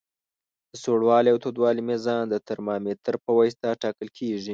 د سوړوالي او تودوالي میزان د ترمامتر پواسطه ټاکل کیږي.